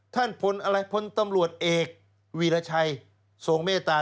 ท่านพลอะไรพลตำรวจเอกวีรชัยทรงเมตตา